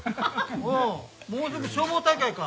おおもうすぐ消防大会か。